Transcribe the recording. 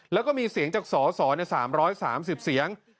แล้วก็มีเสียงจากสส๓๓๐เสียง